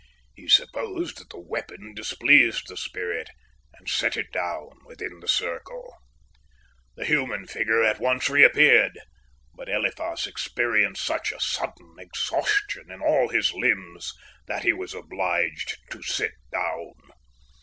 He supposed that the weapon displeased the spirit, and set it down within the circle. The human figure at once reappeared, but Eliphas experienced such a sudden exhaustion in all his limbs that he was obliged to sit down.